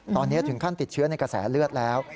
ตอนนี้ถึงขั้นติดเชื้อในกระแสเลือดแล้ว